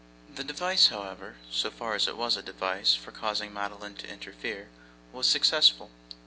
The device, however, so far as it was a device for causing Madeline to interfere, was successful.